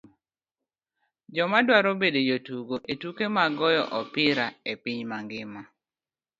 Joma dwaro bedo jotugo e tuke mag goyo opira e piny mangima